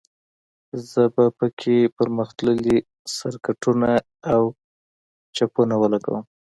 زه به په کې پرمختللي سرکټونه او چپونه ولګوم